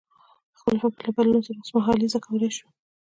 خپل فکر له بدلون سره اوسمهالیزه کولای شو.